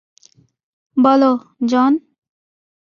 বলো, জন?